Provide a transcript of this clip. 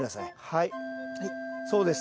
はいそうです。